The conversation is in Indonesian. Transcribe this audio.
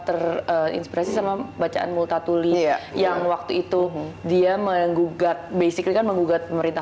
terinspirasi sama bacaan multatuli yang waktu itu dia menggugat basically kan menggugat pemerintah